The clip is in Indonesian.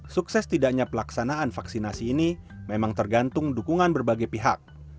sukses tidaknya pelaksanaan vaksinasi ini memang tergantung dukungan berbagai pihak